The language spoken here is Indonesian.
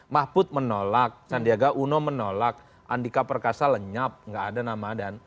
mahput menolak sandiaga uno menolak andika perkasa lenyap nggak ada namadan